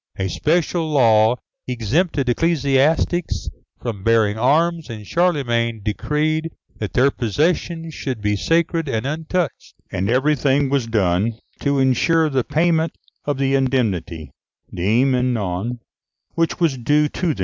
A special law exempted ecclesiastics from bearing arms, and Charlemagne decreed that their possessions should be sacred and untouched, and everything was done to ensure the payment of the indemnity dîme and none which was due to them.